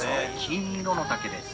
◆金色の竹です。